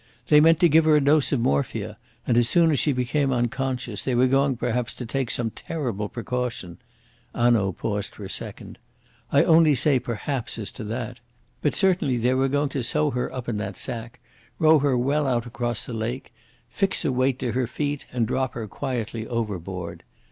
They meant to give her a dose of morphia, and, as soon as she became unconscious, they were going perhaps to take some terrible precaution " Hanaud paused for a second. "I only say perhaps as to that. But certainly they were going to sew her up in that sack, row her well out across the lake, fix a weight to her feet, and drop her quietly overboard.